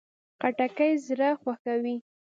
خټکی زړه خوښوي.